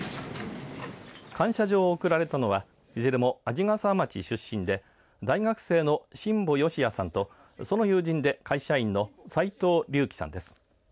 感謝状を贈られたのはいずれも鰺ヶ沢町出身で大学生の新保義也さんとその友人で会社員の齋藤隆希さんです。